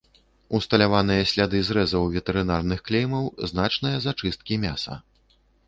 Усталяваныя сляды зрэзаў ветэрынарных клеймаў, значныя зачысткі мяса.